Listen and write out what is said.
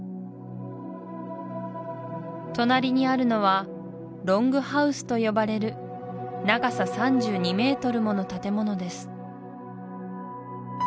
隣にあるのはロングハウスと呼ばれる長さ３２ｍもの建物です